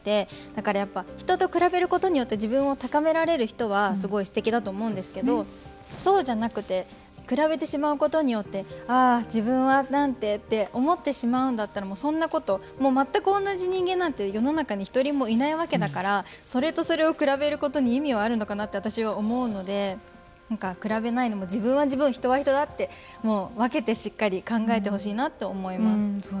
だから人と比べることによって自分を高められる人はすごいすてきだと思うんですけどそうじゃなくて比べてしまうことによってああ、自分なんてって思ってしまうんだったらそんなこと全く同じ人間なんて世の中に１人もいないわけだからそれとそれを比べることに意味はあるのかなと私は思うので比べないで自分は自分、人は人だって分けてしっかり考えてほしいなって思います。